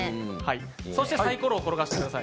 そしてさいころを転がしてください。